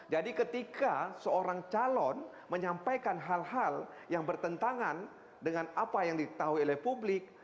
jadi ketika seorang calon menyampaikan hal hal yang bertentangan dengan apa yang ditahui oleh publik